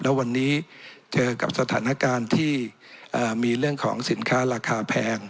แล้ววันนี้เจอกับสถานการณ์ที่มีเรื่องของสินค้าราคาแพง